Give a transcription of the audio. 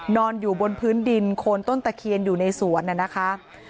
นอนอยู่บนพื้นดินโคนต้นตะเคียนอยู่ในสวนน่ะนะคะ